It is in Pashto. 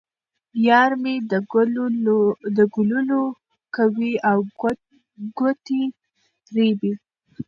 یار مې د ګلو لو کوي او ګوتې رېبي.